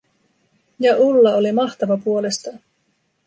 Ja Ulla oli mahtava puolestaan.